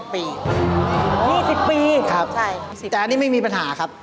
๒๐ปีครับใช่๒๐ปีครับแต่อันนี้ไม่มีปัญหาครับ